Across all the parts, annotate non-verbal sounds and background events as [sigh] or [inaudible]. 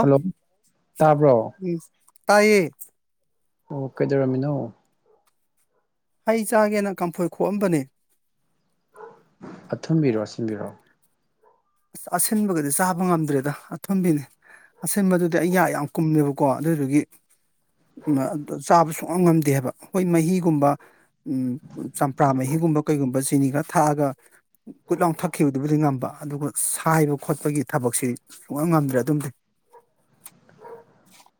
hello ꯇꯥꯕ꯭ꯔꯣ ꯎꯝ ꯇꯥꯏꯌꯦ ꯑꯣ ꯀꯩꯗꯧꯔꯝꯃꯤꯅꯣ ꯍꯩ ꯆꯥꯒꯦꯅ ꯀꯝꯐꯣꯏ ꯈꯣꯛꯑꯝꯕꯅꯦ ꯑꯊꯨꯝꯕꯤꯔꯣ ꯑꯁꯤꯟꯕꯤꯔꯣ ꯑꯁ ꯑꯁꯤꯟꯕꯒꯗꯤ ꯆꯥꯕ ꯉꯝꯗ꯭ꯔꯦꯗ ꯑꯊꯨꯝꯕꯤꯅꯤ ꯑꯁꯤꯟꯕꯗꯨꯗꯤ ꯑꯩ ꯌꯥ ꯌꯥꯝ ꯀꯨꯝꯃꯦꯕꯀꯣ ꯑꯗꯨꯗꯨꯒꯤ ꯎ ꯆꯥꯕ ꯁꯨꯉꯝꯝ ꯉꯝꯗꯦꯕ ꯍꯣꯏ ꯃꯍꯤꯒꯨꯝꯕ ꯎ ꯆꯝꯄ꯭ꯔꯥ ꯃꯍꯤꯒꯨꯝꯕ ꯀꯩꯒꯨꯝꯕ ꯆꯤꯅꯤ ꯈꯔ ꯊꯥꯛꯑꯒ ꯀꯨꯠ ꯂꯥꯎ ꯊꯛꯈꯤꯕꯗꯨꯕꯨꯗꯤ ꯉꯝꯕ ꯑꯗꯨꯒ ꯁꯥꯏꯕ ꯈꯣꯠꯄꯒꯤ ꯊꯕꯛꯁꯤ ꯁꯨꯉꯝ ꯉꯝꯗ꯭ꯔꯦ ꯑꯗꯨꯝꯗꯤ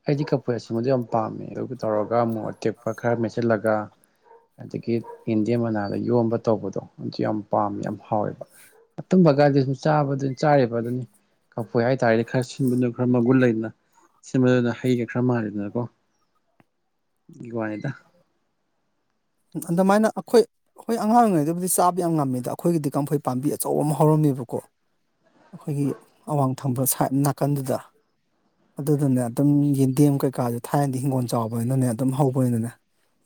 ꯑꯩꯗꯤ ꯀꯐꯣꯢ ꯑꯁꯤꯟꯕꯗꯨ ꯌꯥꯝ ꯄꯥꯝꯃꯦ ꯑꯗꯨꯒ ꯇꯧꯔꯒ ꯃꯔꯣꯛ ꯑꯇꯦꯛꯄ ꯈꯔ ꯃꯦꯠꯁꯤꯜꯂꯒ ꯑꯗꯒꯤ ꯌꯦꯟꯗꯦꯝ ꯃꯅꯥꯗ ꯌꯣꯝꯕ ꯇꯧꯕꯗꯣ ꯑꯗꯨ ꯌꯥꯝ ꯄꯥꯝꯃꯦ ꯌꯥꯝ ꯍꯥꯎꯋꯦꯕ ꯑꯊꯨꯝꯕꯒꯥꯗꯤ ꯁꯨꯝ ꯆꯥꯕꯗꯨ ꯆꯥꯔꯤꯕ ꯑꯗꯨꯅꯤ ꯀꯐꯣꯏ ꯍꯥꯏꯇꯥꯔꯗꯤ ꯈꯔ ꯁꯤꯟꯕꯗꯨꯅ ꯈꯔ ꯃꯒꯨꯟ ꯂꯩꯗꯅ ꯕꯗꯨꯅ ꯍꯩꯒ ꯈꯔ ꯃꯥꯜꯂꯤꯗꯅꯀꯣ ꯑꯗꯨꯒꯤ ꯋꯥꯅꯤꯗ ꯑꯗꯨꯃꯥꯏꯅ ꯑꯈꯣꯏ ꯑꯈꯣꯏ ꯑꯉꯥꯡ ꯑꯣꯢꯔꯤꯉꯩꯗꯕꯨꯗꯤ ꯆꯥꯕ ꯌꯥꯝ ꯉꯝꯃꯤꯗ ꯑꯩꯈꯣꯏꯒꯤꯗꯤ ꯀꯝꯐꯣꯏ ꯄꯥꯝꯕꯤ ꯑꯆꯧꯕꯃ ꯍꯧꯔꯝꯃꯦꯕ ꯀꯣ ꯑꯈꯣꯏꯒꯤ ꯑꯋꯥꯡ ꯊꯪꯕ ꯁꯥꯏꯠ ꯅꯥꯀꯟꯗꯨꯗ ꯑꯗꯨꯗꯅꯦ ꯑꯗꯨꯝ ꯌꯦꯟꯗꯦꯝ ꯀꯩꯀꯥꯁꯦ ꯊꯥꯏꯅꯗꯤ ꯍꯤꯡꯒꯣꯜ ꯆꯥꯎꯕꯅꯤꯅꯅꯦ ꯑꯗꯨꯝ ꯍꯧꯕꯅꯤꯅꯅꯦ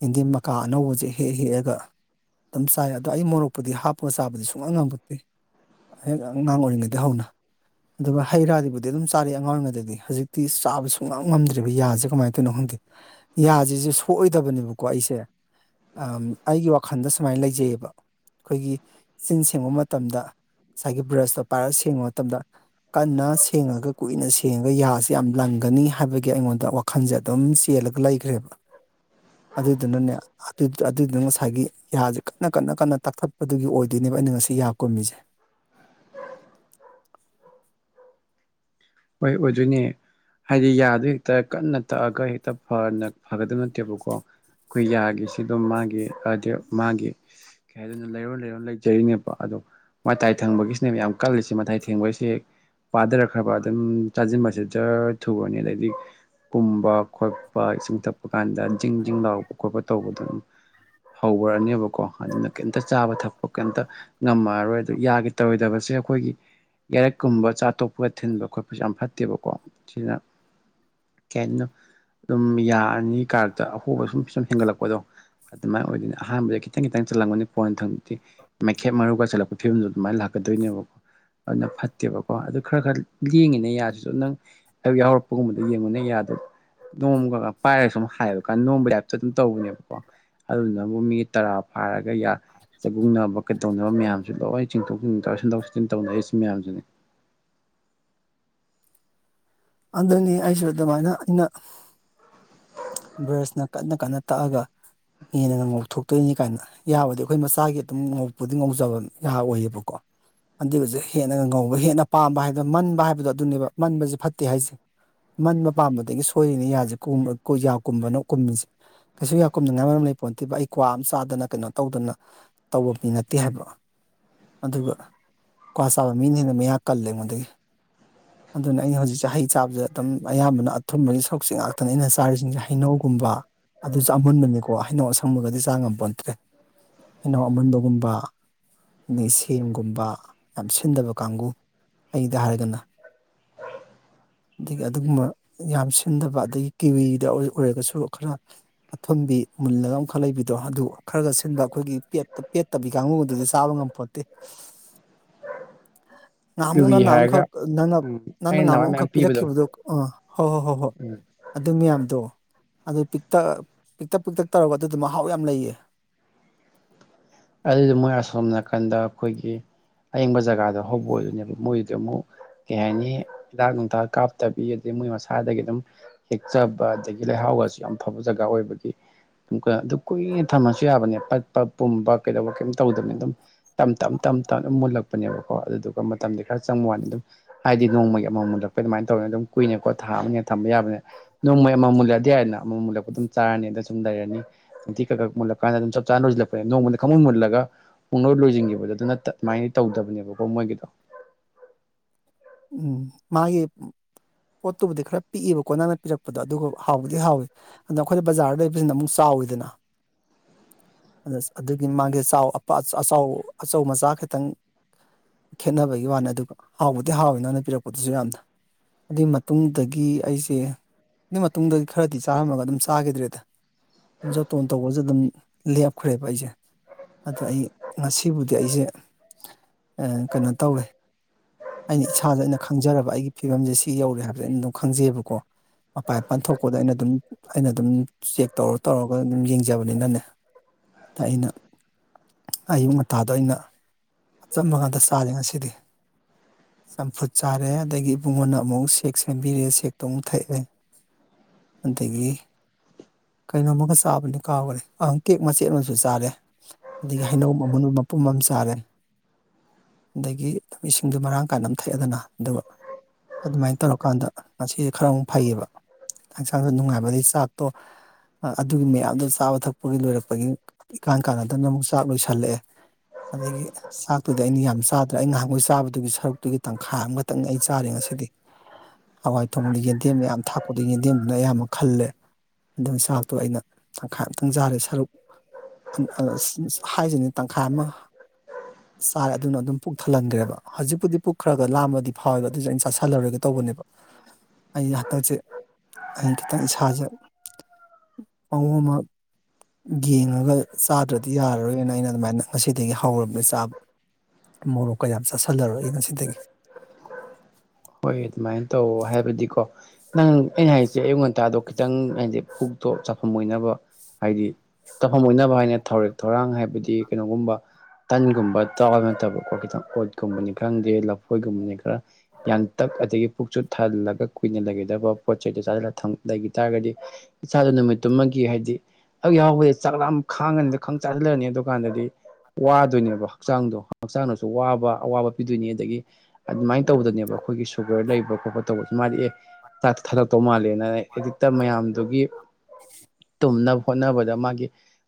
ꯌꯦꯟꯗꯦꯝ ꯃꯀꯥ ꯑꯅꯧꯕꯁꯦ ꯍꯦꯛ ꯍꯦꯛꯑꯒ ꯑꯗꯨꯝ ꯆꯥꯏ ꯑꯗꯣ ꯑꯩ ꯃꯣꯔꯣꯛꯄꯨꯗꯤ ꯍꯥꯞꯄꯒ ꯆꯥꯕꯗꯤ ꯁꯨꯉꯝ ꯉꯝꯃꯛꯇꯦ ꯍꯦꯛ ꯑꯉꯥꯡ ꯑꯣꯏꯔꯤꯉꯩꯗꯒꯤ ꯍꯧꯅ ꯑꯗꯨ ꯍꯩ ꯔꯥꯗꯤꯕꯨꯗꯤ ꯑꯗꯨꯝ ꯆꯥꯔꯤ ꯑꯉꯥꯡ ꯑꯣꯏꯔꯤꯉꯩꯗꯗꯤ ꯍꯧꯖꯤꯛꯇꯤ ꯆꯥꯕ ꯁꯨꯡꯉꯥꯡ ꯉꯝꯗ꯭ꯔꯦꯕ ꯌꯥꯁꯦ ꯀꯃꯥꯏꯅ ꯇꯧꯅꯣ ꯈꯪ ꯌꯥꯁꯤꯁꯨ ꯁꯣꯛꯑꯣꯏꯗꯕꯅꯦꯕꯀꯣ ꯑꯩꯁꯦ ꯑ ꯑꯩꯒꯤ ꯋꯥꯈꯜꯗ ꯁꯨꯃꯥꯏꯅ ꯂꯩꯖꯩꯑꯕ ꯑꯩꯈꯣꯏꯒꯤ ꯆꯤꯟ ꯁꯦꯡꯕ ꯃꯇꯝꯗ ꯉꯁꯥꯏꯒꯤ ꯕ꯭ꯔꯁꯇꯣ ꯄꯥꯏꯔꯒ ꯁꯦꯡꯕ ꯃꯇꯝꯗ ꯀꯟꯅ ꯁꯦꯡꯉꯒ ꯀꯨꯏꯅ ꯁꯦꯡꯉꯒ ꯌꯥꯁꯀ ꯌꯥꯝ ꯂꯪꯒꯅꯤ ꯍꯥꯏꯕꯒꯤ ꯑꯩꯉꯣꯟꯗ ꯋꯥꯈꯜꯁꯦ ꯑꯗꯨꯝ ꯆꯦꯜꯂꯤ ꯂꯒ ꯂꯩꯈ꯭ꯔꯦꯕ ꯑꯗꯨꯗꯨꯅꯅꯦ ꯑꯗꯨꯗꯨꯅ ꯉꯁꯥꯏꯒꯤ ꯌꯥꯖꯦ ꯀꯟꯅ ꯀꯟꯅ ꯀꯟꯅ ꯇꯥꯛꯊꯠꯄꯗꯨꯒꯤ ꯑꯣꯏꯗꯣꯏꯅꯦꯕ ꯑꯩꯅ ꯉꯁꯤ ꯌꯥ ꯀꯨꯝꯃꯤꯁꯦ ꯍꯣꯏ ꯑꯣꯏꯗꯣꯏꯅꯦ ꯍꯥꯏꯗꯤ ꯌꯥꯗ ꯍꯦꯛꯇ ꯀꯟꯅ ꯇꯛꯑꯒ ꯍꯦꯛꯇ ꯐꯅ ꯐꯒꯗꯕ ꯅꯠꯇꯦꯕꯀꯣ ꯀꯨꯢꯔꯛꯑꯗꯤ ꯁꯥꯗꯣ ꯃꯥꯒꯤ ꯍꯥꯏꯗꯤ ꯃꯥꯒꯤ ꯀꯩ ꯍꯥꯏꯗꯣꯢꯅꯣ ꯂꯩꯔꯣꯟ ꯂꯩꯔꯣꯟ ꯂꯩꯖꯔꯤꯅꯦꯕ ꯑꯗꯣ ꯃꯇꯥꯏ ꯊꯪꯕꯒꯤꯁꯤꯅꯦ ꯌꯥꯝ ꯀꯜꯂꯤꯁꯦ ꯃꯇꯥꯏ ꯊꯦꯡꯕꯁꯦ ꯄꯥꯊꯔꯛꯈ꯭ꯔꯕ ꯑꯗꯨꯝ ꯆꯥꯁꯤꯟꯕꯁꯤꯗ ꯖꯔ ꯊꯨꯨꯔꯅꯤ ꯑꯗꯩꯗꯤ ꯀꯨꯝꯕ ꯈꯣꯠꯄ ꯏꯁꯤꯡ ꯊꯛꯄ ꯀꯥꯟꯗ ꯖꯤꯡ ꯖꯤꯡ ꯂꯥꯎꯄ ꯈꯣꯠꯄ ꯇꯧꯕꯗ ꯑꯗꯨꯝ ꯍꯧꯒ꯭ꯔꯅꯤꯕ ꯀꯣ ꯑꯗꯨꯅ ꯀꯩꯝꯇ ꯆꯥꯕ ꯊꯛꯄ ꯀꯩꯝꯇ ꯉꯝꯃꯔꯔꯣꯏ ꯑꯗꯨ ꯌꯥꯒꯤ ꯇꯧꯔꯣꯏꯗꯕꯁꯦ ꯑꯩꯈꯣꯏꯒꯤ ꯌꯥꯏꯔꯛꯀꯨꯝꯕ ꯆꯥ ꯑꯇꯣꯞꯄꯒ ꯊꯤꯟꯕ ꯈꯣꯠꯄꯖꯦ ꯌꯥꯝ ꯐꯠꯇꯦꯕꯀꯣ ꯁꯤꯅ ꯀꯩꯍꯥꯢꯗꯣꯅꯣ ꯑꯗꯨꯝ ꯌꯥ ꯅꯤ ꯀꯥꯔꯛꯇ ꯑꯍꯣꯕ ꯁꯨꯝ ꯁꯨꯝ ꯍꯦꯟꯒꯠꯂꯛꯄꯗꯣ ꯑꯗꯨꯃꯥꯏꯅ ꯑꯣꯏꯗꯣꯢꯅꯤ ꯑꯍꯥꯟꯕꯗ ꯈꯤꯇꯪ ꯈꯤꯇꯪ ꯆꯜꯂꯝꯒꯅꯤ ꯀꯣꯟꯅ ꯊꯪꯗꯗꯤ ꯃꯩꯈꯦꯠ ꯃꯔꯨꯒ ꯆꯠꯂꯛꯄ ꯐꯤꯕꯝꯗ ꯑꯗꯨꯃꯥꯏ ꯂꯥꯛꯀꯗꯣꯏꯅꯤ ꯅꯕ ꯑꯗꯣ ꯐꯠꯇꯦꯕꯀꯣ ꯑꯗꯨ ꯈꯔ ꯈꯔ ꯂꯦꯡꯉꯤꯅꯦ ꯌꯥꯁꯤꯁꯨ ꯅꯪ ꯌꯥꯎꯔꯛꯄꯒꯨꯝꯕꯗ ꯌꯦꯡꯉꯨꯅꯦ ꯌꯥꯗꯣ ꯅꯣꯡꯃꯒꯒ ꯄꯥꯏꯔꯒ ꯁꯨꯝ ꯍꯥꯏꯕꯀꯥꯟ ꯅꯣꯝꯝꯕꯩ ꯍꯥꯏꯞꯇ ꯑꯗꯨꯝ ꯇꯧꯕꯅꯦꯕꯀꯣ ꯑꯗꯨꯗꯨꯅꯕꯨ ꯃꯤ ꯇꯔꯥ ꯐꯥꯔꯒ ꯌꯥ ꯆꯛꯒꯨꯡꯅꯕ ꯀꯩꯗꯧꯅꯕ ꯃꯌꯥꯝꯁꯨ ꯂꯣꯏ ꯆꯤꯡꯊꯣꯛ ꯁꯤꯟꯗꯣꯛ ꯁꯤꯖꯤꯟ ꯇꯧꯅꯩ ꯁꯤ ꯃꯌꯥꯝꯁꯤꯅꯤ [inaudible] ꯑꯗꯨꯅꯦ ꯑꯩꯁꯨ ꯑꯗꯨꯃꯥꯏꯅ ꯑꯗꯨꯅ ꯕ꯭ꯔꯁꯅ ꯀꯟꯅ ꯀꯟꯅ ꯇꯛꯑꯒ ꯍꯦꯟꯅ ꯉꯧꯊꯣꯛꯇꯣꯏꯅꯤ ꯀꯥꯏꯅ ꯌꯥꯕꯨꯗꯤ ꯑꯩꯈꯣꯏ ꯃꯆꯥꯒꯤ ꯑꯗꯨꯝ ꯉꯣꯛꯄꯨꯗꯤ ꯉꯧꯖꯕ ꯌꯥ ꯑꯣꯏꯌꯦꯕꯀꯣ ꯑꯗꯨꯁꯨ ꯍꯦꯟꯅ ꯉꯧꯕ ꯍꯦꯟꯅ ꯄꯥꯝꯕ ꯍꯥꯏꯕ ꯃꯟꯕ ꯍꯥꯏꯕꯗꯣ ꯑꯗꯨꯅꯦꯕ ꯃꯟꯕꯁꯦ ꯐꯠꯇꯦ ꯍꯥꯏꯁꯦ ꯃꯟꯕ ꯄꯥꯝꯕꯗꯒꯤ ꯁꯣꯏꯔꯤꯅꯤ ꯌꯥꯁꯦ ꯌꯥ ꯀꯨꯝꯕꯅꯣ ꯀꯨꯝꯃꯤꯁꯦ ꯀꯩꯁꯨ ꯌꯥ ꯀꯨꯝꯗꯉꯥꯏ ꯃꯔꯝ ꯂꯩ ꯄꯣꯟꯊꯤꯕ ꯑꯩ ꯀ꯭ꯋꯥ ꯑꯃ ꯆꯥꯗꯅ ꯀꯩꯅꯣ ꯇꯧꯗꯅ ꯇꯧꯕ ꯃꯤ ꯅꯠꯇꯦ ꯍꯥꯏꯕ ꯑꯗꯨꯒ ꯀ꯭ꯋꯥ ꯆꯥꯕ ꯃꯤꯅ ꯍꯦꯟꯅ ꯃꯌꯥ ꯀꯜꯂꯦ ꯑꯩꯉꯣꯟꯗꯒꯤ ꯑꯗꯨꯅ ꯑꯩꯅ ꯍꯧꯖꯤꯛ ꯍꯩ ꯆꯥꯕꯁꯦ ꯑꯗꯨꯝ ꯑꯌꯥꯝꯕꯅ ꯑꯊꯨꯝꯕꯒꯤ ꯁꯔꯨꯛꯁꯦ ꯉꯥꯛꯇꯅꯤ ꯑꯩꯅ ꯆꯥꯔꯤꯁꯤꯡꯁꯦ ꯍꯩꯅꯧꯒꯨꯝꯕ ꯑꯗꯨꯁꯨ ꯑꯃꯨꯟꯕꯅꯤꯀꯣ ꯍꯩꯅꯧ ꯑꯁꯪꯕꯒꯗꯤ ꯆꯥ ꯉꯝꯄꯣꯠꯇ꯭ꯔꯦ ꯍꯩꯅꯧ ꯑꯃꯨꯟꯕꯒꯨꯝꯕ ꯑꯗꯩ ꯁꯦꯝꯒꯨꯝꯕ ꯌꯥꯝ ꯁꯤꯟꯗꯕ ꯀꯥꯡꯒꯨ ꯍꯩꯗ ꯍꯥꯏꯔꯒꯅ [inaudible] ꯑꯗꯒꯤ ꯑꯗꯨꯒꯨꯝꯕ ꯌꯥꯝ ꯁꯤꯟꯗꯕ ꯑꯗꯒꯤ ꯀꯤꯋꯤꯗ ꯑꯣꯏꯔꯒꯁꯨ ꯈꯔ ꯑꯊꯨꯝꯕꯤ ꯃꯨꯜꯂꯒ ꯑꯃꯈꯛ ꯂꯩꯕꯤꯗꯣ ꯑꯗꯨ ꯈꯔ ꯈ ꯁꯤꯟꯕ ꯑꯩꯈꯣꯏꯒꯤ ꯄꯦ ꯄꯦꯠꯇꯕꯤ ꯀꯥꯡꯕꯨꯗꯨꯗꯤ ꯆꯥꯕ ꯉꯝꯄꯣꯠꯇꯦ ꯅꯍꯥꯟꯃꯨꯛ ꯀꯤꯋꯤ ꯅꯪꯅ ꯍꯥꯏꯔꯒ ꯑꯃꯨꯛꯈꯛ ꯅꯪꯅ ꯑꯃꯨꯛꯈꯛ ꯅꯪꯅ ꯎꯝ ꯅꯪꯅ ꯑꯩꯅ ꯉꯍꯥꯃꯨ ꯅꯍꯥꯟꯋꯥꯏ ꯃꯌꯥꯝ ꯑꯃꯈꯛ ꯄꯤꯕꯗꯣ ꯄꯤꯔꯛꯈꯤꯕꯗꯨꯣ ꯑꯥ ꯍꯣꯏ ꯍꯣꯏ ꯍꯣꯏ ꯍꯣꯏ ꯎꯝ ꯑꯗꯨꯌꯥꯝ ꯗꯣ ꯑꯗꯨ ꯄꯤꯛꯇꯛ ꯄꯤꯛꯇꯛ ꯄꯤꯛꯇꯛ ꯇꯧꯔꯒ ꯑꯗꯨꯗ ꯃꯍꯥꯎ ꯌꯥꯝ ꯂꯩꯌꯦ [inaudible] ꯑꯗꯨꯗ ꯃꯣꯏ ꯑꯁꯣꯝ ꯅꯥꯀꯟꯗ ꯑꯩꯈꯣꯏꯒꯤ ꯑꯌꯤꯡꯕ ꯖꯒꯗ ꯍꯦꯕ ꯞꯀꯩ ꯍꯥꯏꯅꯤ ꯍꯤꯗꯛ ꯅꯨꯊꯛ ꯀꯞꯇꯕꯤ ꯃꯣꯏ ꯃꯁꯥꯗꯒꯤ ꯑꯗꯨꯝ ꯍꯦꯛꯆꯕ ꯑꯗꯒꯤ ꯂꯩꯍꯥꯎꯒꯁꯨ ꯌꯥꯝ ꯐꯕ ꯖꯒꯥ ꯑꯣꯏꯕꯒꯤ ꯑꯗꯨ ꯀꯨꯏꯅ ꯊꯝꯃꯁꯨ ꯌꯥꯕꯅꯦ ꯄꯠꯄ ꯄꯨꯝꯕ ꯀꯩ ꯇꯧꯗꯕꯅꯤ ꯑꯗꯨꯝ ꯇꯞꯅ ꯇꯞꯅ ꯃꯨꯜꯂꯛꯄꯅꯦꯕꯀꯣ ꯑꯗꯨꯗꯨ ꯃꯇꯝꯗꯤ ꯈꯔ ꯆꯪꯕ ꯋꯥꯅꯤ ꯑꯗꯨꯝ ꯍꯥꯏꯗꯤ ꯅꯣꯡꯃꯒꯤ ꯑꯃꯃꯨꯜꯂꯛꯄꯩ ꯑꯗꯨꯃꯥꯏꯅ ꯇꯧꯔ ꯑꯗꯨꯝ ꯀꯨꯏꯅ ꯈꯣꯠ ꯊꯥꯕꯅꯤꯅ ꯊꯝꯕ ꯌꯥꯕꯅꯤꯅ ꯅꯣꯡꯃ ꯑꯦꯃꯥꯎ ꯃꯨꯜꯂꯗꯤ ꯌꯥꯔꯦꯗꯅ ꯑꯃꯃꯝꯨꯂꯛꯄ ꯑꯗꯨꯝ ꯆꯥꯔꯅꯤ ꯑꯗ ꯁꯨꯝ ꯂꯩꯔꯅꯤ ꯑꯇꯤ ꯈꯛ ꯃꯨꯂꯀꯥꯟꯗ ꯑꯗꯨꯝ ꯆꯞ ꯆꯥꯅ ꯂꯁꯤꯜꯂꯛꯄ ꯅꯣꯡꯃꯗ ꯈꯪꯃꯣꯏ ꯃꯨꯜꯂꯒ ꯄꯨꯡꯅꯧ ꯂꯣꯏꯁꯤꯟꯈꯤꯕꯗꯣ ꯑꯗꯨꯅ ꯑꯗꯨꯃꯥꯏꯅ ꯇꯧꯗꯕꯅꯦꯕꯀꯣ ꯃꯣꯏꯒꯤꯗꯣ ꯎꯝ ꯃꯥꯒꯤ ꯄꯣꯠꯇꯨꯕꯨꯗꯤ ꯈꯔ ꯄꯤꯛꯏꯕꯀꯣ ꯅꯪꯅ ꯄꯤꯔꯛꯄꯗꯣ ꯑꯗꯨꯒ ꯍꯥꯎꯕꯨꯗꯤ ꯍꯥꯎꯏ ꯑꯗꯣ ꯑꯩꯈꯣꯏꯅ ꯕꯖꯥꯔꯗ ꯂꯩꯕꯁꯤꯅ ꯑꯃꯨꯛ ꯆꯥꯎ ꯍꯥꯎꯏꯗꯅ ꯑꯗꯨꯒꯤ ꯃꯥꯡꯒꯤ ꯑꯥ ꯑꯆꯧ ꯃꯆꯥ ꯈꯤꯇꯪ ꯈꯦꯠꯅꯕꯒꯤ ꯋꯥꯅꯦ ꯑꯗꯨꯒ ꯍꯥꯎꯕꯗꯤ ꯍꯥꯎꯋꯤ ꯅꯅ ꯄꯤꯔꯛꯄꯗꯨꯁꯨ ꯌꯥꯝꯅ ꯑꯗꯨꯏ ꯃꯇꯨꯡꯗꯒꯤ ꯑꯩꯁꯦ ꯑꯗꯨꯏ ꯃꯇꯨꯡꯗꯤ ꯈꯔꯗꯤ ꯆꯥꯔꯝꯃꯒ ꯑꯗꯨꯝ ꯆꯥꯈꯤꯗ꯭ꯔꯦꯗ ꯖꯇꯣꯟ ꯇꯧꯕꯁꯨ ꯑꯗꯨꯝ ꯂꯦꯞꯈ꯭ꯔꯦꯕ ꯑꯩꯁꯦ ꯑꯗꯣ ꯑꯩ ꯉꯁꯤꯕꯨꯗꯤ ꯑꯩꯁꯦ ꯀꯩꯅꯣ ꯇꯧꯋꯦ ꯑꯩꯅ ꯏꯁꯥꯗ ꯑꯩꯅ ꯈꯪꯖꯔꯕ ꯑꯩꯒꯤ ꯐꯤꯕꯝꯁꯦ ꯁꯤ ꯌꯧꯔꯦ ꯍꯥꯏꯕꯁꯦ ꯑꯩꯅ ꯑꯗꯨꯝ ꯈꯪꯖꯩꯑꯕꯀꯣ ꯃꯄꯥꯥꯟ ꯃꯄꯥꯟ ꯊꯣꯛꯄꯗ ꯑꯩꯅ ꯑꯗꯨꯝ ꯑꯩꯅ ꯑꯗꯨꯝ ꯆꯦꯛ ꯇꯧꯔ ꯇꯧꯔꯒ ꯑꯗꯨꯝ ꯌꯦꯡꯖꯕꯅꯤꯅꯅꯦ ꯇꯥꯏꯅ ꯑꯌꯨꯛ ꯉꯟꯇꯥꯗ ꯑꯩꯅ ꯑꯆꯝꯕ ꯉꯥꯇ ꯆꯥꯥꯁꯦ ꯉꯁꯤꯗꯤ ꯆꯝꯐꯨꯠ ꯆꯥꯔꯦ ꯑꯗꯒꯤ ꯏꯕꯨꯡꯉꯣꯅ ꯑꯃꯨꯛ ꯁꯦꯛ ꯁꯦꯝꯕꯤꯔꯛꯑꯦ ꯁꯦꯛꯇꯣ ꯑꯃꯨꯛ ꯊꯛꯑꯦ ꯑꯗꯒꯤ ꯀꯩꯅꯣꯝꯃꯒ ꯆꯥꯕꯅꯤ ꯀꯥꯎꯕꯅꯤ ꯑꯍꯪ ꯀꯦꯛ ꯃꯆꯦꯠ ꯑꯃꯁꯨ ꯆꯥꯔꯦ ꯑꯗꯒꯤ ꯍꯩꯅꯧ ꯑꯃ ꯃꯄꯨꯝ ꯑꯃ ꯆꯥꯔꯦ ꯑꯗꯒꯤ ꯗꯨ ꯃꯔꯥꯡ ꯀꯥꯏꯅ ꯑꯃ ꯊꯛꯑꯦꯗꯅ ꯑꯗꯨꯒ ꯑꯗꯨꯃꯥꯏꯅ ꯇꯧꯔꯀꯥꯟꯗ ꯉꯁꯤꯁꯦ ꯈꯔ ꯑꯃꯨꯛ ꯐꯩꯌꯦꯕ ꯥꯍꯛꯁꯥꯡꯗꯣ ꯅꯨꯡꯉꯥꯏꯕꯒꯤ ꯆꯥꯛꯇꯣ ꯑꯗꯨꯒꯤ ꯃꯌꯥꯝꯗꯣ ꯆꯥꯕ ꯊꯛꯄꯒꯤ ꯂꯣꯏꯔꯛꯄꯒꯤ ꯏꯀꯥꯟ ꯀꯥꯟꯅꯗꯅ ꯑꯃꯨꯛ ꯆꯥꯛ ꯂꯣꯏꯁꯤꯜꯂꯛꯑꯦ ꯑꯗꯒꯤ ꯆꯥꯛꯇꯨꯗꯤ ꯑꯩꯅ ꯌꯥꯝ ꯆꯥꯗ꯭ꯔꯦ ꯑꯩ ꯉꯍꯥꯡꯈꯣꯏ ꯆꯥꯕ ꯑꯗꯨꯒꯤ ꯁꯔꯨꯛꯇꯨꯒꯤ ꯇꯪꯈꯥꯏ ꯑꯃꯈꯛꯇꯪꯅꯤ ꯑꯩ ꯆꯥꯔꯦ ꯉꯁꯤꯗꯤ ꯍꯋꯥꯏ ꯊꯣꯡꯗ ꯌꯦꯟꯗꯦꯝ ꯌꯥꯝ ꯊꯥꯛꯄꯗ ꯌꯦꯟꯗꯦꯝꯗꯨꯅ ꯑꯌꯥꯝꯕ ꯈꯜꯂꯦ ꯑꯗꯨ ꯆꯥꯛꯇꯣ ꯑꯩꯅ ꯇꯪꯈꯥꯏ ꯑꯃꯝꯇꯪ ꯆꯥꯔꯦ ꯁꯔꯨꯛ ꯍꯥꯏꯁꯤꯅꯤ ꯇꯪꯈꯥꯏ ꯑꯃ ꯆꯥꯔ ꯑꯗꯨꯅ ꯑꯗꯨꯝ ꯄꯨꯛ ꯊꯜꯍꯟꯈ꯭ꯔꯦꯕ ꯍꯧꯖꯤꯛꯄꯨꯗꯤ ꯄꯨꯛꯈ꯭ꯔꯒ ꯂꯥꯝꯃꯗꯤ ꯐꯥꯎꯋꯦꯕ ꯑꯗꯨꯁꯨ ꯑꯩꯅ ꯆꯥꯥꯁꯜꯂꯔꯣꯏꯒꯦ ꯇꯧꯕꯅꯦꯕ ꯑꯩ ꯍꯥꯇꯥꯛꯁꯦ ꯑꯩ ꯈꯤꯇꯪ ꯏꯁꯥꯥꯁꯦ ꯃꯑꯣꯡ ꯑꯃ ꯌꯦꯡꯉꯒ ꯆꯥꯗ꯭ꯔꯗꯤ ꯌꯥꯔꯔꯣꯏꯅ ꯑꯩꯅ ꯑꯗꯨꯃꯥꯏꯅ ꯉꯁꯤꯗꯒꯤ ꯍꯧꯔꯕꯅꯤ ꯆꯥꯕ ꯎ ꯃꯣꯔꯣꯛꯀ ꯌꯥꯝ ꯆꯥꯁꯤꯜꯂꯔꯣꯏ ꯉꯁꯤꯗꯒꯤ ꯍꯣꯏ ꯑꯗꯨꯃꯥꯏꯅ ꯇꯧꯑꯣ ꯍꯥꯏꯕꯗꯤꯀꯣ ꯅꯪ ꯑꯩꯅ ꯍꯥꯏꯁꯦ ꯑꯌꯨꯛ ꯉꯟꯇꯥꯗꯣ ꯈꯤꯇꯪ ꯍꯥꯏꯗꯤ ꯄꯨꯛ ꯇꯣ ꯆꯈꯝ ꯑꯣꯏꯅꯕ ꯍꯥꯏꯗꯤ ꯆꯈꯝꯝ ꯑꯣꯏꯅꯕ ꯍꯥꯏꯅ ꯊꯧꯔꯦꯛ ꯊꯧꯔꯥꯡ ꯍꯥꯏꯕꯗꯤ ꯀꯩꯅꯣꯒꯨꯝꯕ ꯇꯟꯒꯨꯝꯕ ꯇꯥꯎ ꯍꯥꯢꯕ ꯅꯠꯇꯕꯀꯣ ꯈꯤꯇꯪ ꯑꯣꯠꯀꯨꯝꯕꯅꯤ ꯈꯪꯗꯦ ꯂꯐꯣꯏꯒꯨꯝꯕꯅꯤ ꯈꯔ ꯌꯥꯟꯇꯛ ꯑꯗꯒꯤ ꯄꯨꯛ ꯆꯨꯠ ꯊꯥꯍꯜꯂꯒ ꯀꯨꯏꯅ ꯂꯩꯒꯗꯕ ꯄꯣꯠ ꯆꯩꯩꯗꯣ ꯆꯁꯜ ꯂꯩꯈꯤ ꯇꯥꯔꯒꯗꯤ ꯏꯆꯥꯗ ꯅꯨꯃꯤꯠꯇꯨꯃꯒꯤ ꯍꯥꯏꯗꯤ ꯑꯩ ꯌꯥꯎꯕꯗ ꯆꯥꯛꯥ ꯈꯥꯡꯉꯅꯤꯗ ꯈꯪ ꯆꯥꯁꯤꯜꯂꯅꯤ ꯑꯗꯨꯀꯥꯟꯗꯗꯤ ꯋꯥꯗꯣꯏꯅꯦꯕ ꯍꯛꯆꯥꯡꯗꯣ ꯍꯛꯆꯥꯡꯗꯁꯨ ꯋꯥꯕ ꯑꯋꯥꯕ ꯄꯤꯗꯣꯏꯅꯤ ꯑꯗꯒꯤ ꯑꯗꯨꯃꯥꯏꯅ ꯇꯧꯕꯗꯅꯦꯕ ꯑ ꯑꯩꯈꯣꯏꯒꯤ ꯁꯨꯒꯔ ꯂꯩꯕ ꯈꯣꯠꯄ ꯇꯧꯕꯁꯤ ꯃꯥꯗꯤ ꯑꯦ ꯆꯥꯛ ꯊꯥꯂꯛꯇꯧ ꯃꯥꯜꯂꯦꯅ ꯑꯦꯗꯤꯛꯇ ꯃꯌꯥꯝꯗꯨꯒꯤ ꯇꯨꯝꯅꯕ ꯍꯣꯠꯅꯕꯗ ꯃꯥꯒꯤ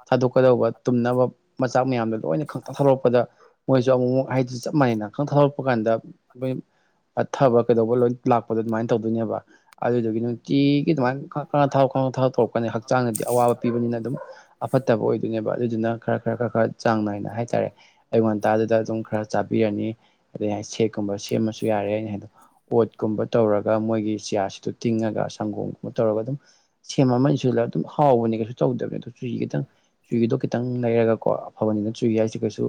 ꯊꯥꯗꯣꯛꯀꯗꯧꯕ ꯇꯨꯝꯅꯕ ꯃꯆꯥꯛ ꯃꯌꯥꯝꯗꯣ ꯂꯣꯏꯅ ꯈꯛꯇ ꯊꯗꯣꯂꯛꯄꯗ ꯃꯣꯏ ꯑꯗꯨꯁꯨ ꯑꯃꯨꯛ ꯑꯃꯨꯛ ꯍꯥꯏ ꯆꯞ ꯃꯥꯟꯅꯩꯅ ꯈ ꯊꯥꯗꯣꯔꯛꯄ ꯀꯥꯟꯗ ꯑꯩꯈꯣꯏ ꯄꯠꯊꯕ ꯀꯩꯗꯧꯕ ꯂꯣꯏ ꯂꯥꯛꯄꯗꯣ ꯑꯗꯨꯃꯥꯏꯅ ꯇꯧꯗꯣꯏꯅꯦꯕ ꯑꯗꯨꯗꯨꯒꯤ ꯅꯨꯡꯇꯤꯒꯤ ꯑꯗꯨꯃꯥꯏꯅ ꯈꯔ ꯈꯔ ꯊꯥꯎ ꯈꯪꯊꯥꯎ ꯇꯧꯔꯛꯄ ꯄꯅꯦ ꯍꯛꯆꯥꯡꯗꯗꯤ ꯑꯋꯥꯕ ꯄꯤꯕꯅꯤꯅ ꯑꯗꯨꯝ ꯑꯐꯠ ꯐꯠꯇꯕ ꯑꯣꯏꯗꯣꯏꯅꯦꯕ ꯑꯗꯨꯗꯨꯅ ꯈꯔ ꯈꯔ ꯈꯔ ꯈꯔ ꯆꯥꯡ ꯅꯥꯏꯅ ꯍꯥꯏꯇꯥꯔꯦ ꯑꯌꯨ ꯉꯟꯇꯥꯗꯨꯗ ꯑꯗꯨꯝ ꯈꯔ ꯆꯥꯕꯤꯔꯅꯤ ꯅꯤ ꯑꯗꯩ ꯑꯩ ꯁꯦꯛꯀꯨꯝꯕ ꯁꯦꯝꯃꯁꯨ ꯌꯥꯔꯦ ꯑꯩꯅ ꯍꯥꯏꯗꯣ ꯑꯣꯠꯀꯨꯝꯕ ꯇꯧꯔꯒ ꯃꯣꯏꯒꯤ ꯆꯤꯌꯥꯁꯤꯗ ꯇꯤꯡꯉꯒ ꯁꯪꯒꯣꯝꯒꯨꯝꯕ ꯇꯧꯔꯒ ꯑꯗꯨꯝ ꯁꯦꯝ ꯑꯃ ꯏꯖꯨ ꯂ ꯑꯗꯨꯝ ꯍꯥꯎꯕꯅꯦ ꯀꯩꯁꯨ ꯇꯧꯗꯕꯅꯦ ꯑꯣ ꯆꯨꯖꯤ ꯈꯤꯇꯪ ꯆꯨꯍꯤꯗꯣ ꯈꯤꯇꯪ ꯂꯩꯔꯒꯀꯣ ꯑꯐꯕꯅꯤꯅ ꯆꯨꯏ ꯍꯥꯏꯁꯤ ꯀꯩꯁꯨ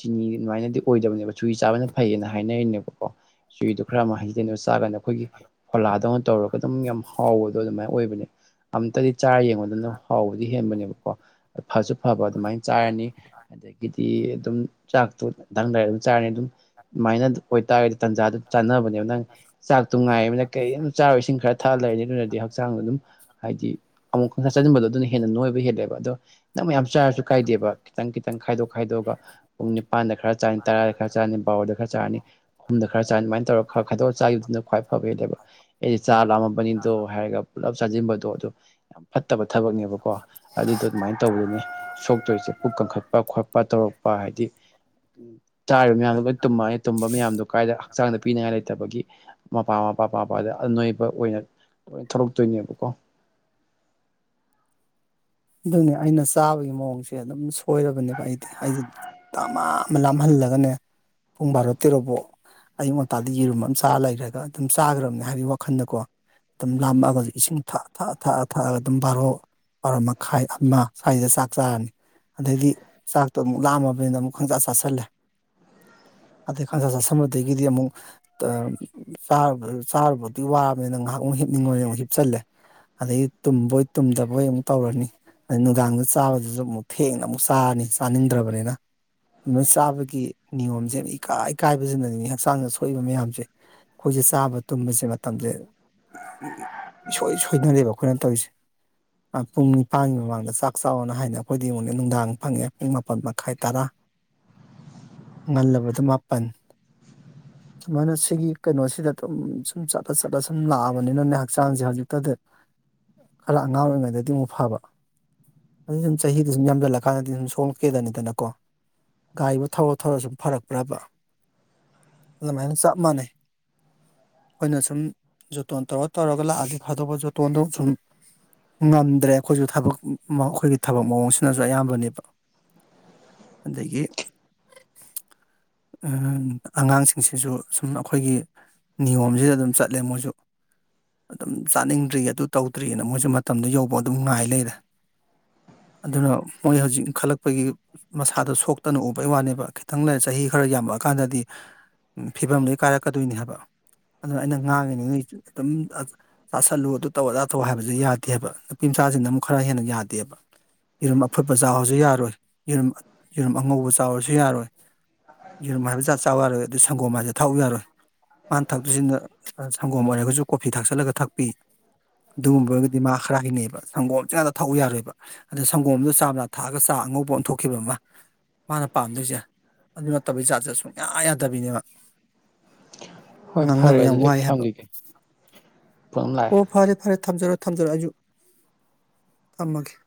ꯆꯤꯅꯤ ꯑꯗꯨꯃꯥꯏꯅꯗꯤ ꯑꯣꯏꯗꯕꯅꯦꯕ ꯆꯨꯍꯤ ꯆꯥꯕꯅ ꯐꯩꯌꯦꯅ ꯍꯥꯏꯅꯔꯤꯅꯦꯕꯀꯣ ꯆꯨꯍꯤꯗꯣ ꯈꯔ ꯑꯃ ꯍꯩꯖꯅꯔꯒ ꯆꯥꯀꯥꯟꯗ ꯑꯩꯈꯣꯏꯒꯤ ꯐꯣꯂꯥꯗꯧꯅ ꯇꯧꯔ ꯑꯗꯨꯝ ꯌꯥꯝ ꯍꯥꯎꯕꯗꯣ ꯑꯗꯨꯃꯥꯏꯅ ꯑꯣꯏꯕꯅꯦ ꯑꯝꯇꯗꯤ ꯆꯥꯔ ꯌꯦꯡꯉꯣ ꯗꯨ ꯍꯥꯎꯕꯗꯤ ꯍꯦꯟꯕꯅꯦꯕ ꯀꯣ ꯐꯁꯨ ꯐꯕ ꯑꯗꯨꯃꯥꯏꯅ ꯆꯥꯔꯅꯤ ꯑꯗꯒꯤꯗꯤ ꯑꯗꯨꯝ ꯆꯥꯛꯇꯣ ꯇꯪ ꯂꯩꯔꯒ ꯆꯥꯔꯅꯤ ꯑꯗꯨꯝ ꯑꯗꯨꯃꯥꯏꯅ ꯑꯣꯏꯇꯥꯔꯒꯗꯤ ꯇꯥꯟꯖꯥꯗꯨ ꯆꯥꯅꯕꯅꯦꯕ ꯅꯪ ꯆꯥꯛꯇꯨ ꯉꯥꯏꯕ ꯅꯪ ꯀꯔꯤꯝ ꯆꯥꯔ ꯏꯁꯤꯡ ꯈꯔ ꯊꯛꯑ ꯂꯩꯅꯤ ꯑꯗꯨꯅꯗꯤ ꯍꯛꯆꯥꯡꯗꯣ ꯑꯗꯨꯝ ꯍꯥꯏꯗꯤ ꯑꯃꯨꯛ ꯈꯪꯆꯥ ꯆꯠꯁꯤꯟꯕꯗꯣ ꯑꯗꯨꯅ ꯍꯦꯟꯅ ꯅꯣꯏꯕ ꯍꯦꯜꯂꯦꯕ ꯑꯗꯣ ꯅ ꯃꯌꯥꯝ ꯆꯔꯁꯨ ꯀꯥꯏꯗꯦꯕ ꯈꯤꯇꯪ ꯈꯤꯇꯪ ꯈꯥꯏꯗꯣꯛ ꯈꯥꯏꯗꯣꯛ ꯑꯗꯨꯒ ꯄꯨꯡ ꯅꯤꯄꯥꯟꯗ ꯈꯔ ꯆꯥꯔꯅꯤ ꯇꯔꯥꯗ ꯈꯔ ꯆꯥꯔꯅꯤ ꯕꯥꯔꯣꯗ ꯈꯔ ꯆꯥꯔꯅꯤ ꯑꯍꯨꯝꯗ ꯈꯔ ꯆꯥꯔꯅꯤ ꯑꯗꯨꯃꯥꯏ ꯇꯧꯔ ꯈꯔ ꯈꯥꯏꯗꯣꯛꯒ ꯆꯥꯈꯤꯕꯗꯨꯅ ꯈ꯭ꯋꯥꯏ ꯐꯕ ꯍꯦꯜꯂꯦꯕ ꯑꯩꯗꯤ ꯆꯥꯛ ꯂꯥꯝꯃꯕꯅꯤꯗꯣ ꯍꯥꯏꯔꯒ ꯄꯨꯂꯞ ꯆꯥꯁꯤꯟ ꯕꯗꯣ ꯑꯗꯨ ꯌꯥꯝ ꯐꯠꯇꯕ ꯊꯕꯛꯅꯦꯕꯀꯣ ꯑꯗꯨꯗꯣ ꯑꯗꯨꯃꯥꯏꯅ ꯇꯧꯕꯗꯨꯅꯦ ꯁꯣꯛꯇꯣꯏꯁꯦ ꯄꯨꯛ ꯀꯟꯈꯠ ꯄ ꯈꯣꯠꯄ ꯇꯧꯔꯛꯄ ꯍꯥꯏꯗꯤ ꯎ ꯆꯥꯔꯤꯕ ꯃꯌꯥꯝꯗꯣ ꯂꯣꯏ ꯇꯨꯝꯃꯛꯅꯤ ꯇꯨꯝꯕ ꯃꯌꯥꯝꯗꯨ ꯀꯥꯏꯗ ꯍꯛꯆꯥꯡꯗ ꯄꯤꯅꯤꯡꯉꯥꯏ ꯂꯩꯇꯕꯒꯤ ꯃꯄꯥ ꯃꯄꯥ ꯄꯥꯕ ꯑꯗ ꯅꯣꯢ ꯄ꯭ꯔꯝ ꯑꯣꯏꯅ ꯂꯣꯏ ꯊꯧꯔꯛꯇꯣꯏꯅꯦꯕꯀꯣ [inaudible] ꯑꯗꯨꯅꯦ ꯑꯩꯅ ꯆꯥꯕꯒꯤ ꯃꯑꯣꯡꯁꯦ ꯑꯗꯨꯝ ꯁꯣꯏꯔꯕꯅꯦꯕ ꯑꯩꯗꯤ ꯑꯩꯁꯦ ꯗꯥꯃ ꯑꯃ ꯂꯥꯝꯍꯜ ꯍꯜꯂꯒꯅꯦ ꯄꯨꯡ ꯕꯥꯔꯣ ꯇꯦꯔꯣꯕꯧ ꯑꯌꯨꯛ ꯉꯟꯇꯥꯗ ꯌꯦꯔꯨꯝ ꯑꯃ ꯆ ꯂꯩꯒ꯭ꯔꯒ ꯑꯗꯨꯝ ꯆꯥꯈ꯭ꯔꯕꯅꯦ ꯍꯥꯏꯕꯒꯤ ꯋꯥꯈꯜꯗꯀꯣ ꯑꯗꯨꯝ ꯂꯥꯝꯃꯛꯑꯒꯁꯨ ꯏꯁꯤꯡ ꯊꯥꯛꯑ ꯊꯥꯛꯑ ꯊꯥꯛꯑꯒ ꯑꯗꯨꯝ ꯕꯥꯔꯣ ꯕꯥꯔꯣꯃ ꯈꯥꯢ ꯑꯃ ꯁ꯭ꯋꯥꯏꯖꯤꯗ ꯆꯥꯛ ꯆꯥꯔꯅꯤ ꯑꯗꯩꯗꯤ ꯆꯥꯛꯇꯣ ꯑꯃꯨꯛ ꯂꯥꯝꯃꯕꯅꯤꯅ ꯑꯃꯨꯛ ꯈꯪꯆꯥ ꯆꯥꯥꯁꯜꯂꯦ ꯑꯗꯩ ꯈꯪꯆꯥ ꯆꯥꯁꯟꯕꯗꯒꯤꯗꯤ ꯑꯃꯨꯛ ꯇ ꯑ ꯆꯥꯔꯨꯕ ꯆꯥꯔꯨꯕꯗꯨꯢ ꯋꯥꯔꯕꯅꯤꯅ ꯉꯥꯏꯍꯥꯛ ꯑꯃꯨ ꯃꯨꯛ ꯃꯣꯢ ꯑꯃꯨꯛ ꯍꯤꯞꯆꯜꯂꯦ ꯑꯗꯒꯤ ꯇꯨꯝꯕꯣꯏ ꯇꯨꯝꯗꯕꯣꯏ ꯑꯃꯨꯛ ꯇꯧꯔꯅꯤ ꯑꯗꯩ ꯅꯨꯡꯗꯥꯡꯗ ꯆꯥꯕꯗꯨꯁꯨ ꯑꯃꯨꯛ ꯊꯦꯡꯅ ꯑꯃꯨꯛ ꯆꯥꯔꯅꯤ ꯆꯥꯅꯤꯡꯗ꯭ꯔꯕꯅꯤꯅ ꯑꯗꯨꯅ ꯆꯥꯕꯒꯤ ꯅꯤꯌꯣꯝꯁꯦ ꯏꯀꯥꯏ ꯏꯀꯥꯏꯕꯁꯤꯅꯅꯤ ꯍꯛꯆꯥꯡꯗ ꯁꯣꯛꯏꯕ ꯃꯌꯥꯝꯁꯦ ꯑꯩꯈꯣꯏ ꯆꯥꯕ ꯇꯨꯝꯕꯁꯦ ꯃꯇꯝꯁꯦ ꯏ ꯏ ꯏꯁꯣꯏ ꯁꯣꯏꯅꯔꯦꯕ ꯑꯩꯈꯣꯏꯅ ꯇꯧꯔꯤꯁꯦ ꯑ ꯄꯨꯡ ꯄꯥꯟꯒꯤ ꯃꯃꯥꯡꯗ ꯆꯥꯛ ꯆꯥꯑꯣꯅ ꯍꯥꯏꯅꯦ ꯑꯩꯈꯣꯏꯗꯤ ꯌꯦꯡꯉꯨꯅꯦ ꯅꯨꯡꯗꯥꯡ ꯐꯪꯉꯦ ꯄꯨꯡ ꯃꯥꯄꯜ ꯃꯈꯥꯏ ꯇꯔꯥ ꯉꯜꯂꯕꯗ ꯃꯥꯄꯟ ꯁꯨꯃꯥꯏꯅ ꯁꯤꯒꯤ ꯀꯩꯅꯣꯁꯤꯗ ꯑꯗꯨꯝ ꯁꯨꯝ ꯆꯠꯂ ꯆꯠꯂ ꯁꯨꯝ ꯂꯥꯛꯑꯕꯅꯤꯅꯅꯦ ꯍꯛꯆꯥꯡꯁꯦ ꯍꯧꯖꯤꯛꯇꯗ ꯈꯔ ꯑꯉꯥꯡ ꯑꯣꯏꯔꯤꯉꯩꯗꯗꯤ ꯑꯃꯨꯛ ꯐꯕ ꯑꯗꯨ ꯁꯨꯝ ꯆꯍꯤꯗꯤ ꯁꯨꯝ ꯌꯥꯝꯁꯤꯜꯂꯀꯥꯟꯗꯗꯤ ꯁꯨꯝ ꯁꯣꯛꯀꯦꯗꯅꯤꯗꯅꯀꯣ ꯒꯔꯤꯕꯨ ꯊꯧꯔ ꯊꯧꯔ ꯁꯨꯝ ꯐꯔꯛꯄ꯭ꯔꯕ ꯑꯗꯨꯃꯥꯏꯅ ꯆꯞ ꯃꯥꯟꯅꯩ ꯑꯩꯈꯣꯏꯅ ꯁꯨꯝ ꯖꯣꯇꯣꯟ ꯇꯧꯔ ꯇꯧꯔꯒ ꯂꯥꯛꯑꯗꯤ ꯐꯗꯧꯕ ꯖꯣꯇꯣꯟꯗꯣ ꯁꯨꯝ ꯉꯝꯗ꯭ꯔꯦ ꯑꯩꯈꯣꯏꯁꯨ ꯊꯕꯛ ꯃ ꯑꯩꯈꯣꯏꯒꯤ ꯊꯕꯛ ꯃꯑꯣꯡꯁꯤꯅꯁꯨ ꯑꯌꯥꯝꯕꯅꯦꯕ ꯑꯗꯒꯤ ꯑꯉꯥꯡ ꯑꯉꯥꯡꯁꯤꯡꯁꯤꯁꯨ ꯁꯨꯝ ꯑꯩꯈꯣꯏꯒꯤ ꯅꯤꯌꯣꯝꯁꯤꯗ ꯑꯗꯨꯝ ꯆꯠꯂꯦ ꯃꯣꯏꯁꯨ ꯑꯗꯨꯝ ꯆꯥꯅꯤꯡꯗ꯭ꯔꯤ ꯑꯗꯨ ꯇꯧꯗ꯭ꯔꯤꯅ ꯃꯣꯏꯁꯨ ꯃꯇꯝꯗꯣ ꯌꯧꯕ ꯑꯗꯨꯝ ꯉꯥꯏ ꯂꯩꯔꯦ ꯑꯗꯨꯅ ꯃꯣꯏ ꯍꯧꯖꯤꯛ ꯏꯟꯈꯜꯂꯛꯄꯒꯤ ꯃꯁꯥꯗꯣ ꯁꯣꯛꯇꯅ ꯎ ꯕꯩ ꯋꯥꯅꯦꯕ ꯈꯤꯇꯪ ꯂꯩꯔ ꯆꯍꯤ ꯈꯔ ꯌꯥꯝꯃꯛꯑꯀꯥꯟꯗꯗꯤ ꯐꯤꯕꯝ ꯂꯣꯢ ꯀꯥꯏꯔꯛꯀꯗꯣꯏꯅꯦ ꯍꯥꯏꯕ ꯑꯗꯨ ꯑꯩꯅ ꯉꯥꯡꯉꯤꯅꯤ ꯅꯣꯢ ꯑꯗꯨꯝ ꯆꯥꯥꯁꯜꯂꯨ ꯑꯗꯨ ꯇꯧ ꯑꯗꯥ ꯇꯧ ꯍꯥꯏꯕꯗꯣ ꯌꯥꯗꯦꯕ ꯅꯨꯄꯤ ꯃꯆꯥꯁꯤꯡꯅ ꯑꯃꯨꯛ ꯈꯔ ꯍꯦꯟꯅ ꯌꯥꯗꯦꯕ ꯌꯦꯔꯨꯝ ꯑꯐꯨꯠꯄ ꯆꯥꯎꯑꯣꯁꯨ ꯌꯥꯔꯣꯏ ꯌꯦꯔꯨꯝ ꯌꯦꯔꯨꯝ ꯑꯉꯧꯕ ꯆꯥꯎꯑꯣꯁꯨ ꯌꯥꯔꯣꯏ ꯌꯦꯔꯨꯝ ꯍꯥꯏꯕ ꯖꯥꯠ ꯆꯥꯎ ꯌꯥꯔꯣꯏ ꯑ ꯑꯗꯨ ꯁꯪꯒꯣꯝ ꯍꯥꯏꯕꯁꯦ ꯊꯥꯛꯎ ꯌꯥꯔꯣꯏ ꯃꯥꯅ ꯊꯛꯇꯣꯢꯁꯤꯅ ꯁꯪꯒꯣꯝ ꯑꯣꯏꯔꯒꯁꯨ ꯀꯣꯐꯤ ꯊꯥꯛꯆꯜꯂꯒ ꯊꯛꯄꯤ ꯑꯗꯨꯒꯨꯝꯕ ꯑꯣꯢꯔꯒꯗꯤ ꯃꯥ ꯈꯔ ꯍꯩꯅꯩꯕ ꯁꯪꯒꯣꯝꯁꯤ ꯉꯥꯛꯇ ꯊꯛꯎ ꯌꯥꯔꯣꯏꯕ ꯑꯗꯩ ꯁꯪꯒꯣꯝꯗꯨ ꯆꯥ ꯃꯅꯥ ꯊꯥꯛꯑꯒ ꯆꯥ ꯑꯉꯧꯕ ꯑꯣꯟꯊꯣꯛꯈꯤꯕ ꯑꯃ ꯃꯥꯅ ꯄꯥꯝꯗꯣꯏꯁꯦ ꯑꯗꯨ ꯅꯠꯇꯕꯩ ꯖꯥꯠꯁꯦ ꯁꯨꯡꯌꯥ ꯌꯥꯗꯕꯤꯅꯦꯕ ꯍꯣꯏ ꯐꯔꯦ ꯉꯥꯡꯅꯕ ꯌꯥꯝ ꯑꯗꯨꯗꯤ ꯑꯩ ꯋꯥꯏ ꯍꯥꯏꯕ ꯊꯝꯈꯤꯒꯦ ꯐꯣꯟ ꯑꯃ ꯂꯥꯛꯑꯦ ꯑꯣ ꯐꯔꯦ ꯐꯔꯦ ꯊꯝꯖꯔꯣ ꯊꯝꯖꯔꯣ ꯑꯩꯁꯨ ꯊꯝꯃꯒꯦ [inaudible]